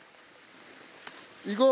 行こう。